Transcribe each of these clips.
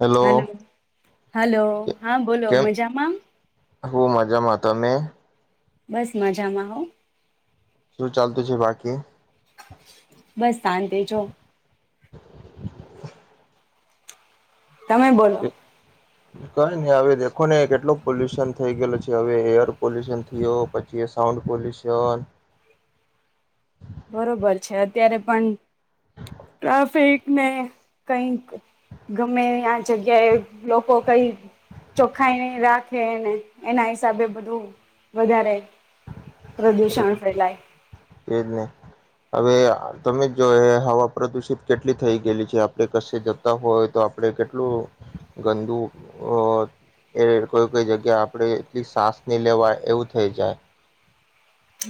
Hello, hello hello હા બોલો કેમ મજામાં હું માજામાં, તમે? બસ મજામાં હ શું ચાલતું છે બાકી? બસ શાંતિ જો તમે બોલો. કંઈ નહીં, હવે દેખો ને કેટલું પોલ્યુશન થઈ ગયેલું છે હવે, એર પોલ્યુશન થયો, પછી સાઉન્ડ પોલ્યુશન બરોબર છે, અત્યારે પણ ટ્રાફિકને કંઈક ગમે આ જગ્યાએ લોકો કંઈ ચોખ્ખાઈ નહિં રાખે ને એના હિસાબે બધું વધારે પ્રદૂષણ ફેલાય. એજ ને હવે તમે જો હવા પ્રદુષિત કેટલી થઈ ગયેલી છે, આપડી કશે જતા હોય, તો આપડે કેટલું ગંદુ અહ એ કોઈ કોઈ જગ્યા આપડે એટલી સાસની લેવાય, એવું થઈ જાય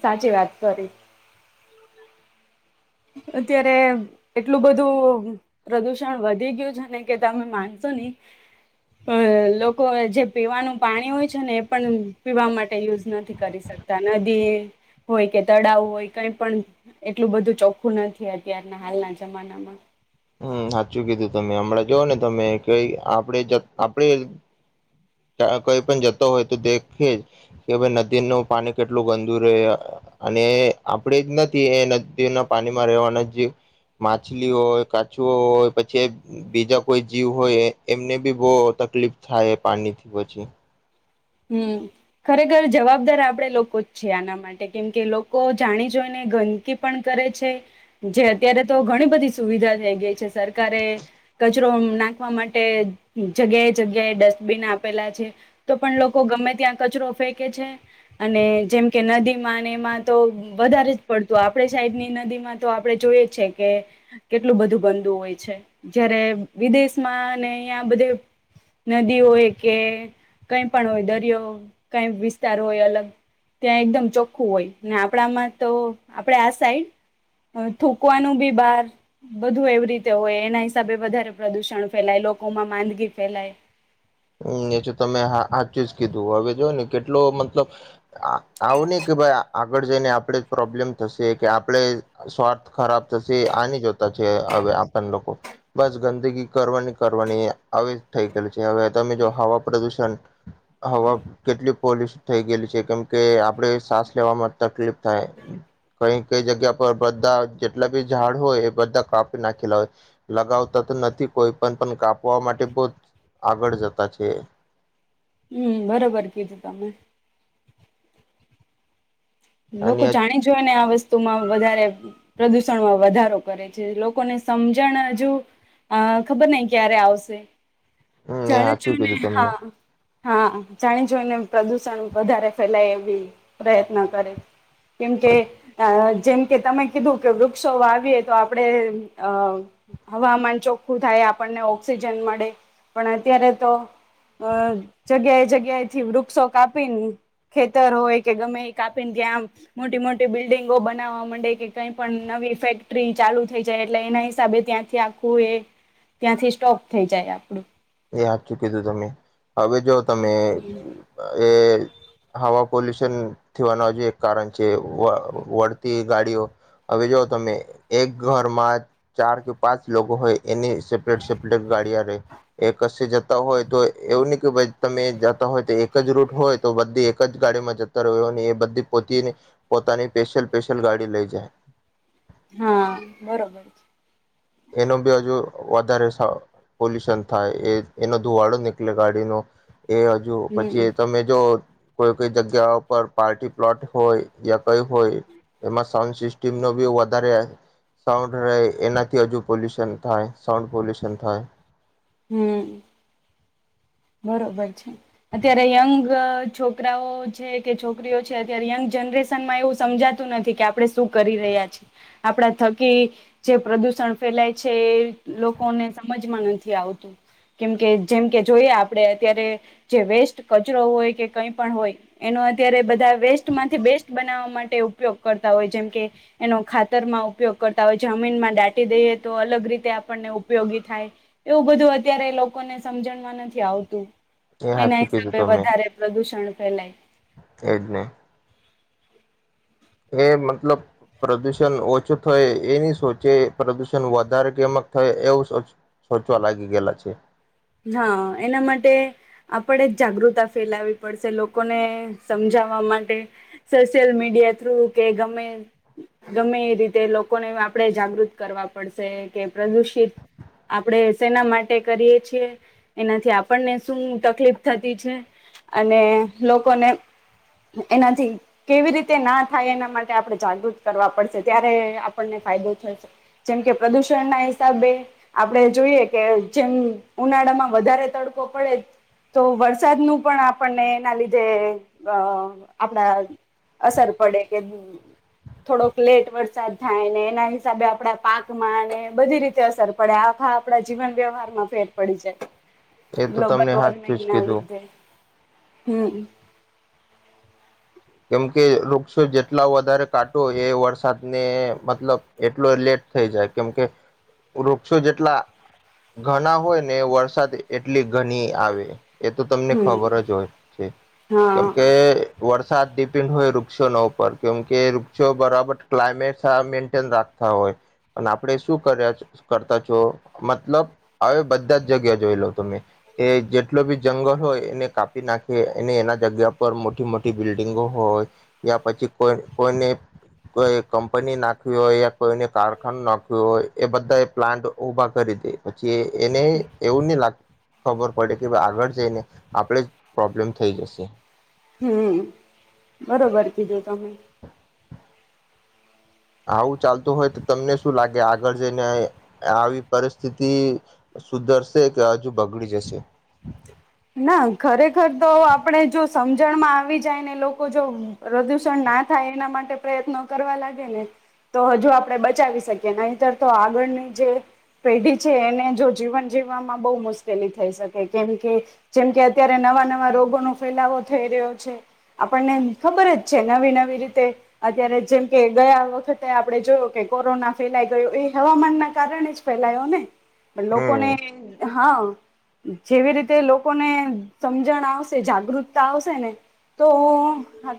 સાચી વાત કરી. અત્યારે એટલું બધું પ્રદુષણ વધી ગયું છે ને કે તમે માનશો ની, અહ લોકો જે પીવાનું પાણી હોય છે ને એ પણ પીવા માટે યુઝ નથી કરી શકતા. નદી હોય કે તળાવ હોય કંઈ પણ એટલું બધું ચોખ ખું નથી, અત્યારના હાલના જમાનામાં. હમ્મ હાચું કીધું તમે, હમણાં જોવો ને તમે કંઈ આપડી જ આપડી કંઈ પણ જતો હોય તો દેખે, કે ભઈ નદીનું પાણી કેટલું ગંદુ રહે અને આપડે જ નથી એ નદીના પાણીમાં રહેવાના જે માછલી હોય, કાચબો હોય, પછી બીજા કોઈ જીવ હોય, એ એમને બી બોવ તકલીફ થાય પાણીથી. પછી હમ્મ, ખરેખર જવાબદાર આપડે લોકો જ છીએ આના માટે, કેમકે લોકો જાણી જોઈને ગંદકી પણ કરે છે. જે અત્યારે તો ઘણી બધી સુવિધા થઈ ગઈ છે, સરકારે કચરો નાખવા માટે જગ્યાએ જગ્યાએ ડસ્ટબિન આપેલા છે, તો પણ લોકો ગમે ત્યાં કચરો ફેંકે છે અને જેમકે નદીમાં એમાં તો વધારે જ પડતું, આપડે સાઈડની નદીમાં તો આપડે જોઈએ છે કે કેટલું બધું ગંદુ હોય છે. જયારે વિદેશમાં ને અહીંયા બધે નદી હોય કે કંઈ પણ હોય, દરિયોનો કાંઈક વિસ્તાર હોય અલગ, ત્યાં એકદમ ચોખ્ખું હોય અને આપડા માં તો આપડે આ સાઈડ થૂકવાનું બી બહાર બધું એવી રીતે હોય, એના હિસાબે વધારે પ્રદુષણ ફેલાય, લોકોમાં માંદગી ફેલાય. હમ્મ, એતો તમે હા હાચું જ કીધું. હવે જોવો ને કેટલો મતલબ આ આવની કે ભાઈ આ આગળ જઈને આપણે પ્રોબ્લેમ થશે કે આપણે સ્વાર્થ ખરાબ થશે આની જોતા છે હવે આપણ લોકો, બસ ગંદકી કરવાની કરવાની આવી જ થઈ ગયેલું છે હવે. તમે જો હવા પ્રદુષણ ષણ હવા કેટલી પોલ્યુસ થઈ ગયેલું છે કેમ કે આપણે સાસ લેવામાં તકલીફ થાય. કંઈ કંઈ જગ્યા પર બધા જેટલા બી ઝાડ હોય એ બધા કાપી નાખેલા હોય, લગાવતા તો નથી કોઈપણ પણ કાપવા માટે પણ આગળ જ. તા છે. હમ્મ બરોબર કીધું તમે. લોકો અને જાણી જોય ને આ વસ્તુમાં વધારે પ્રદુષણમાં વધારો કરે છે લોકોને સમજણ હજુ અહ ખબર નહિં ક્યારે આવશે. જાણું સાચું છું ને કીધું તમને હા હા જાણી જોઈને પ્રદુષણ વધારે ફેલાય એવી પ્રયત્ન કરે. કેમ કે આ જેમ કે તમે કીધું કે વૃક્ષો વાવીએ તો આપણેે અહ હવામાન ચોખ્ખું થાય, આપણને ઓક્સિજન મળે, પણ અત્યારે તો અહ જગ્યાએ જગ્યાએ થી વૃક્ષો કાપીને ખેતર હોય કે ગમે એ કાપ ત્યાં મોટી મોટી બિલ્ડિંગો બનાવવા મંડે કે કંઈ પણ નવી ફેક્ટરી ચાલુ થઈ જાય એટલે એના હિસાબે ત્યાંથી આખું એ ત્યાંથી સ્ટોક થઈ જાય આપડું. એ હાચું કીધું તમે. હવે જો તમે એ હવા પોલ્યુશન થવાનું જે એક કારણ છે, વ વળતી ગાડીઓ. હવે જોઓ તમે, એક ઘરમાં ચાર થી પાંચ લોકો હોય. એની સેપરેટ સેપરેટ ગાડીયા રહે. કશે જતા હોય તો એવું નહી કે ભઈ તમે જતા હોય તો એક જ રૂટ હોય તો બધી એક જ ગાડીમાં જતા રહો એ બધી પોતેની પોતાની સ્પેશિયલ સ્પેશિયલ ગાડી લઈ જાય. હા બરોબર છે. એનો બી હજુ વધારે પોલ્યુશન થાય એ એનો ધુવાડો નીકળે ગાડીનો એ હજુ પછી હમ તમે જો કોઈ કોઈ જગ્યાઓ પર પાર્ટી પ્લોટ હોય યા કઈ હોય એમાં સાઉન્ સિસ્ટમનો બી વધારે સાઉન્ડ રહે એના થી હજુ પોલ્યુશન થાય સાઉન્ડ પોલ્યુશન થાય. હમ બરોબર છે અત્યારે યંગ છોકરાઓ છે કે છોકરીઓ છે અત્યારે યંગ જનરેશનમાં એવું સમજાતું નથી કે આપણે શું કરી રહ્યા છીએ. આપડા થકી જે પ્રદુષણ ફેલાય છે. એ લોકોને સમજમાં નથી આવતું કેમકે જેમકે જોઈએ આપણે અત્યારે જે વેસ્ટ કચરો હોય કે કઈ પણ હોય એનો અત્યારે બધા વેસ્ટમાંથી બેસ્ટ બનાવવા માટે ઉપયોગ કરતા હોય. જેમકે એનો ખાતરમાં ઉપયોગ કરતા હોય જમીનમાં દાટી દઈએ તો અલગ રીતે આપણને ઉપયોગી થાય એવું બધું અત્યારે લોકોને સમજણમાં નથી આવતું. એ [inaudible] એના હાચું કીધું હિસાબે તમે વધારે પ્રદુષણ ફેલાય. એજ ને એ મતલબ પ્રદૂષણ ઓછું થય એ ની સોચે પ્રદૂષણ વધારે કેમક થાય એવું સોચવા લાગી ગયેલા છે. હા એના માટે આપણેે જ જાગૃતા ફેલાવી પડશે. લોકોને સમજાવવા માટે સોશિયલ મીડિયા થ્રુ કે ગમે ગમે એ રીતે લોકોને આપણે જાગૃત કરવા પડશે કે પ્રદુષિત આપણે સેના માટે કરીએ એનાથી આપણને શું તકલીફ થતી છે અને લોકોને એનાથી કેવી રીતે ના થાય એના માટે આપણે જાગૃત કરવા પડશે ત્યારે આપણને ફાયદો થશે. જેમ કે પ્રદુષણ ના હિસાબે આપણે જોઈએ કે જેમ ઉનાળામાં વધારે તડકો પડે તો વરસાદનું પણ આપણને એના લીધે આપણા અસર પડે કે થોડોક લેટ વરસાદ થાય ને એના હિસાબે આપણા પાકમાં અને બધી રીતે અસર પડે આખા આપણા જીવન વ્યવહારમાં ફેર પડી [unintelligible] એ તો ગ્લોબલ તમને વોર્મિંગ હાચૂ જ ના કીધું. લીધે હમ કેમકે વૃક્ષો જેટલા વધારે કાટો હોય એ વરસાદને મતલબ એટલો લેટ થઈ જાય કેમકે વૃક્ષો જેટલા ઘણા હોય ને એ વરસાદ એટલી ઘણી આવે. એ તો તમને હમ ખબર જ હોય છે. હા કેમકે વર્ષ સા ડિપેન્ડ હોય વૃક્ષોના ઉપર કેમકે વૃક્ષો બરાબર ક્લાયમેટ મેન્ટેન રાખતા હોય અને આપણે શું કર્યા કરતા છો? મતલબ હવે બધા જ જગ્યા જોઈ લો તમે. એ જેટલો બી જંગલ હોય એને કાપી નાખીએ એના જગ્યા પર મોટી મોટી બિલ્ડિંગો હોય યા પછી કો કોઈને કોઈ કંપની નાખવી હોય યા કોઈને કારખાનું નાખ્યું હોય એ બધા એ પ્લાન્ટ ઉભા કરી દે પછી. કે એને એવું નહી લાગ ખબર પડે કે ભાઈ આગળ જઈને આપણેે જ પ્રોબ્લેમ થઈ જશે. હમ બરોબર કીધો તમે. આવું ચાલતું હોય તો તમને શું લાગે? આગળ જઈને આવી પરિસ્થિતિ સુધરશે કે હજુ બગડી જશે? ના ખરેખર તો આપડે જો સમજણમાં આવી જાય ને લોકો જો પ્રદૂષણ ના થાય એના માટે પ્રયત્નો કરવા લાગે ને તો હજુ આપડણે બચાવી શકીએ નહીતર તો આગળની જે પેઢી છે એને જો જીવન જીવવામાં બહુ મુશ્કેલી થઈ શકે કેમકે જેમ કે અત્યારે નવા નવા રોગોનો ફેલાવો થઈ રહ્યો છે આપણને ખબર જ છે. નવી નવી રીતે અત્યારે જેમ કે ગયા વખતે આપણે જોયો કે કોરોના ફેલાઈ ગયો એ હવામાન ના કારણે જ ફેલાયો ને. પણ લોકોને હમ હા જેવી રીતે લો કોને સમજણ આવશે જાગૃતતા આવશે ને તો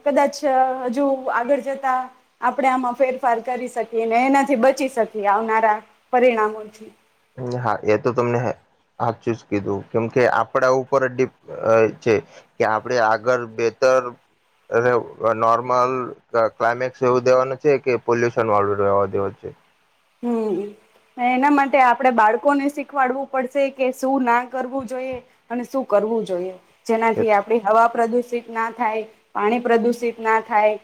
કદાચ હજુ આગળ જતા આપણે આમાં ફેરફાર કરી શકીએ ને એનાથી બચી શકીએ આવનારા પરિણામોથી. હા એ તો તમને હાચું જ કીધું કેમ કે આપડા ઉપર જ છે કે આપણે આગળ બેતર નોર્મલ ક્લાયમેક્સ એવું દેવાનું છે કે પોલ્યુશન વાળું રહેેવા દેવ. હમ એના માટે આપડે બાળકો ને શીખવાડવું પડશે કે શું ના કરવું જોઈએ અને શું કરવું જોઈએ. જેનાથી આપડી હવા પ્રદુષિત ના થાય. પાણી પ્રદુષિત ના થાય.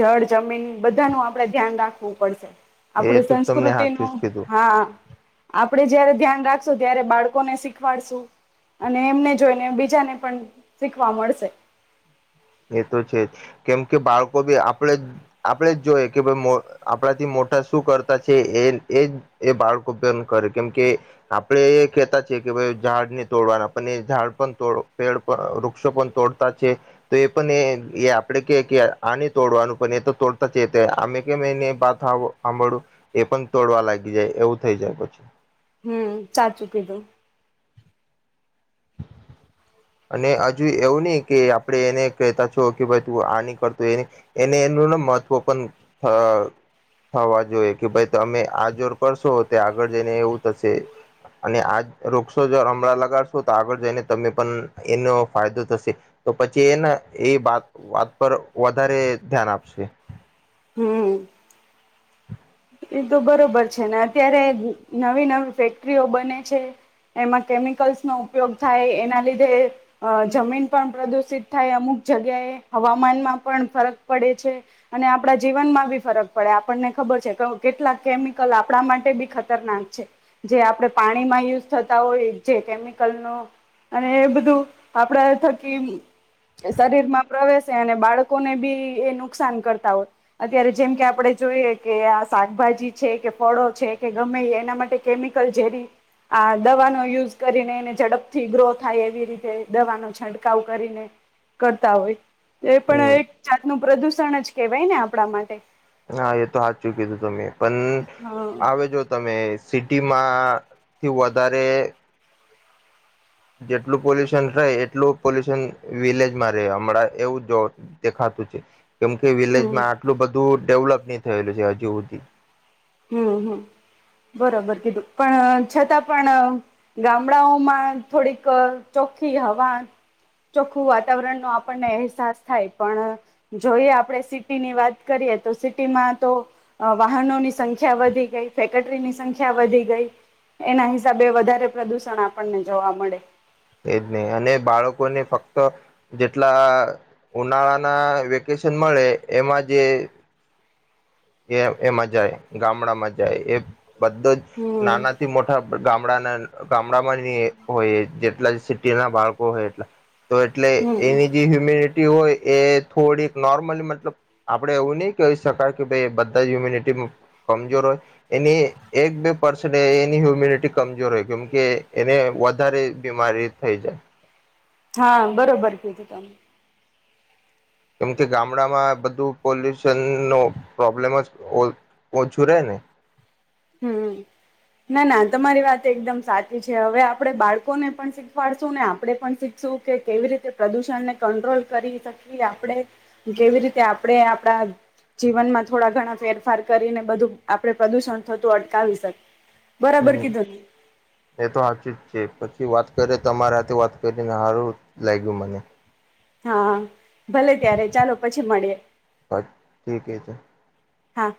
જળ, જમીન બધાનું આપડે ધ્યાન રાખવું ખવું પડશે. આપણી [inaudible] જ સંસ્કૃતિનું કીધું હા. આપડે જયારે ધ્યાન રાખશો ત્યારે બાળકોને શીખવાડશું અને એમને જોઈને બીજાને પણ શીખવા મળશે. એ તો છે કેમ કે બાળકો ભી આપણે આપણેે જ જોઈ કે ભ આપણાથી મોટા શું કરતા છે એ એજ એ બાળકો કરે કેમકે આપણે એ કહેતા છે કે ભ ઝાડને તોડવાના પણ એ ઝાડ પણ તોડ પેડ વૃક્ષો પણ તોડતા છે. તો એ પણ એ એ આપણેે કે કે આને તોડવાનું પણ એ તો તોડતા જ અમે કે એને બા સાંભડ એ પણ તોડવા લાગી જાય એવું થઈ જાય પછી. હમ ચાચૂ કીધું. અને હજુ એવું નહી કે આપણે એને કહેતા છો કે ભાઈ તું આ ની કરતું એને એનું મહત્વ પણ થ થવા જોઈએ કે ભાઈ તમે આ જોર કરશો તો આગળ જઈને એવું થશે અને આ વૃક્ષો જોર હમણાં લગાડશો તો આગળ જઈને તમે પણ એનો ફાયદો થશે તો પછી એને એ વાત વાત પર વધારે ધ્યાન આપશે. હમ્મ. એ તો બરોબર છે. ને અત્યારે નવી નવી ફેક્ટરીઓ બને છે. એમાં કેમિકલ્સનો ઉપયોગ થાય એના લીધે જમીન પણ પ્રદુષિત થાય અમુક જગ્યાએ હવામાનમાં પણ ફરક પડે છે. અને આપણા જીવનમાં બી ફરક પડે આપણને ખબર છે કે કેટલાક કેમિકલ આપણા માટે બી ખતરનાક છે. જે આપણે પાણીમાં યુઝ થતા હોય જે કેમિકલ ન અને એ બધું આપણા થકી શરીરમાં પ્રવેશે અને બાળકોને બી એ નુકસાન કરતા હોય અત્યારે જેમ કે આપણે જોઈએ કે શાકભાજી છે કે ફળો છે કે ગમે એના માટે કેમિકલ જેરી આ દવાનો યુઝ કરીને એને ઝડપથી ગ્રો થાય એવી રીતે દવાનો છંટકાવ કરીને કરતા હોય. એ પણ એક હમ જાતનું પ્રદુષણ જ કેવાય ને આપણા માટે. હા એ તો હા ચુ કીધું તમે પણ હા આવેજો તમે સિટીમાં થી વધારે જેટલું પોલ્યુશન રહે એટલું પોલ્યુશન વિલેજમાં રહે હમણાં એવું જો દેખાતું. કેમ કે વિલેજ હમ માં આટલું બધું ડેવલપ થયેલું છે અજુ હુધી. હમમ બરોબર કીધું પણ છતાં પણ ગામડાઓમાં થોડીક ચોખ્ખી હવા ચોખ્ખું વાતાવરણનો આપણને અહેસાસ થાય પણ જોઈએ આપણે સિટીની વાત કરીએ તો સીટીમાં તો વાહનોની સંખ્યા વધી ગઈ ફેક્ટરીની સંખ્યા વધી ગઈ એના હિસાબે વધારે પ્રદુષણ આપણને જોવા મળે. એજ ને અને બાળકોને ફક્ત જેટલા ઉનાળાના વેકેશન મળે એમાં જે એ એમાં જાય ગામડામાં જાય એ બધો જ હમ નાનાથી મોટા ગામડાના ગામડામાં જ [unintelligible] હોય જેટલા સિટી ના બાળકો હોય એટલા તો એટલે હમ એની જે હ્યુમિનિ હોય એ થોડીક નોર્મલી મતલબ આપડે એવું નહી કહી શકાય કે ભાઈ બધા હ્યુમિનિટી કમજોર હોય એની એક બે પર્સન એની હ્યુમિનિટી કમજોર હોય કેમકે એને વધારે બીમારી થઈ જાય. હા બરોબર કીધું તમમે. કેમ કે ગામડા માં બધું પોલીસ નો પ્રોબ્લેમ જ ઓ ઓછું રહે ને. હમ્મ ના ના તમારી વાત એકદમ સાચી છે હવે આપડણે બાળકોને પણ શીખવાડશું ને આપણે પણ શીખશું કે કેવી રીતે પ્રદુષણને કંટ્રોલ કરી શકીએ આપણે કેવી રીતે આપણે આપણા જીવનમાં થોડા ઘણા ફેરફાર કરીને બધું આપણે પ્રદુષણ અતું અટકાવાવી શકે. હમ્મ કીધું એતો આચી જે પછી વાત કરે તમારાથે વાત કરીને સારું લાગ્યું મને. હા. ભલે ત્યારે ચાલો પછી મળીએ ઠીક છે હા.